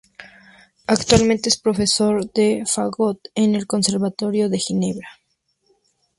Actualmente es profesor de fagot en el Conservatorio de Ginebra.